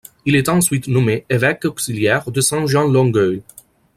Il est ensuite nommé évêque auxiliaire de Saint-Jean–Longueuil.